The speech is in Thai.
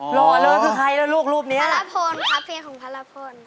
หล่อเลยคือใครแล้วรูปนี้ล่ะครับพาระพลครับเพียงของพาระพล